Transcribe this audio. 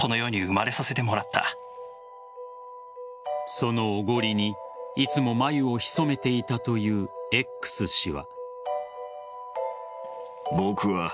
そのおごりにいつも眉をひそめていたというＸ氏は。